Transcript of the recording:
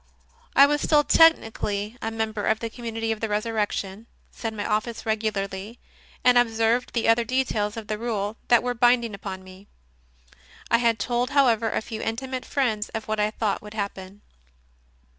I was still technically a member of the Community of the Resurrection, said my n6 CONFESSIONS OF A CONVERT Office regularly, and observed the other details of the rule that were binding upon me. I had told, however, a few intimate friends of what I thought would happen.